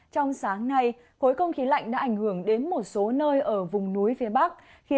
trong sáng nay khối không khí lạnh đã ảnh hưởng đến một số nơi ở vùng núi phía bắc